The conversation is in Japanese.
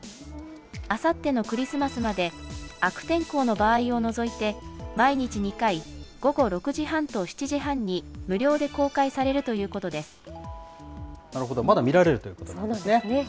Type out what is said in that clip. あさってのクリスマスまで、悪天候の場合を除いて、毎日２回、午後６時半と７時半に無料で公開さなるほど、まだ見られるということですね。